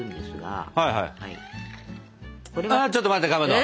あちょっと待ってかまど！